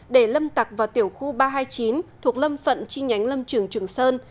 để lâm tặc vào tiểu khu ba trăm hai mươi chín thuộc lâm phận chi nhánh lâm trường trường sơn